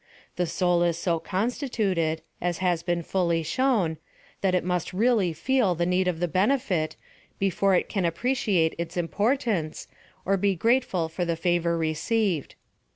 The soul is so conulituted, as has been fully shown, that it must really fei.i the need of the bene fit, before it can appreciate its importance, or be grateful for the favor received.